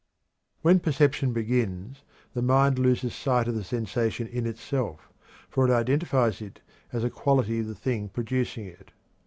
When perception begins, the mind loses sight of the sensation in itself, for it identifies it as a quality of the thing producing it.